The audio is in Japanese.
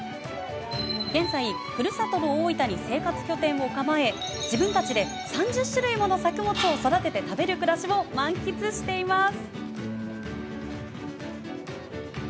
現在、ふるさとの大分に生活拠点を構え自分たちで３０種類もの作物を育てて食べる暮らしを満喫しています。